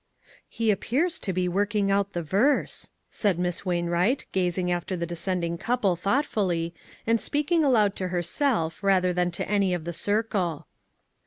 HE appears to be working out the verse," said Miss Wainwright, gazing after the descending couple thoughtfully, and speak ing aloud to herself rather than to any of the circle.